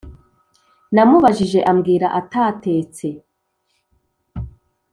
namubajije ambwira atatetse